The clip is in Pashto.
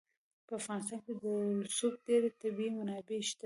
په افغانستان کې د رسوب ډېرې طبیعي منابع شته دي.